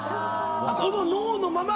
この脳のまま。